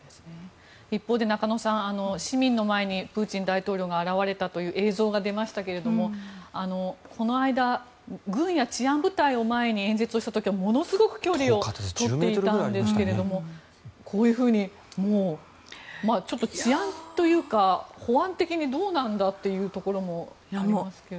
一方で中野さん市民の前にプーチン大統領が現れたという映像が出ましたけどこの間、軍や治安部隊を前に演説をした時は、ものすごく距離を取っていたんですがこういうふうにちょっと治安というか保安的にどうなんだというところもありますけど。